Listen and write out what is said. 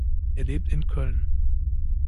Er lebt in Köln.